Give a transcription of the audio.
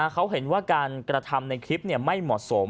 เขาเห็นว่าการกระทำในคลิปไม่เหมาะสม